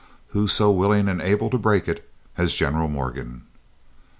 Who so willing and able to break it as General Morgan?